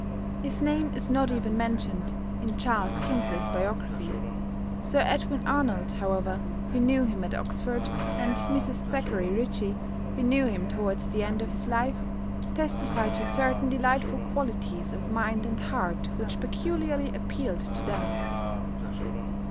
His name is not even mentioned in Charles Kingsley's biography. Sir Edwin Arnold, however, who knew him at Oxford, and Mrs Thackeray Ritchie, who knew him towards the end of his life, testify to certain delightful qualities of mind and heart which peculiarly appealed to them.